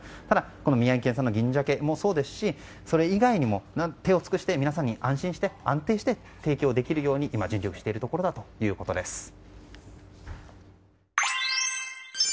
ただ宮城県産の銀鮭もそうですしそれ以外にも手を尽くして、皆さんに安定して提供できるように今、尽力しているところだということです。